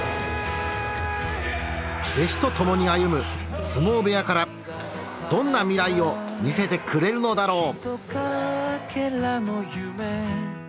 弟子とともに歩む相撲部屋からどんな未来を見せてくれるのだろう。